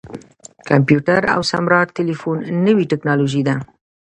کمپیوټر او سمارټ ټلیفون نوې ټکنالوژي ده.